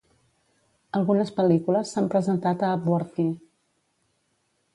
Algunes pel·lícules s'han presentat a Upworthy.